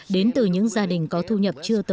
đến từ những gia đình có thu nhập thấp